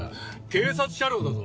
警察車両だぞ。